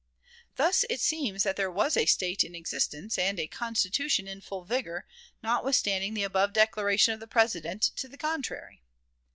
Thus it seems that there was a State in existence, and a Constitution in full vigor, notwithstanding the above declaration of the President to the contrary.